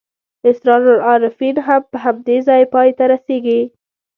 اسرار العارفین هم په همدې ځای پای ته رسېږي.